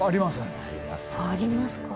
ありますか。